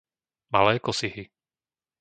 Malé Kosihy